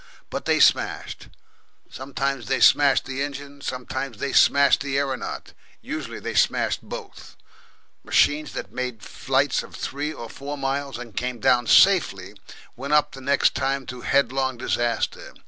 But they smashed. Sometimes they smashed the engine, sometimes they smashed the aeronaut, usually they smashed both. Machines that made flights of three or four miles and came down safely, went up the next time to headlong disaster.